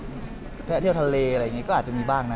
เที่ยวทะเลอะไรอย่างนี้ก็อาจจะมีบ้างนะ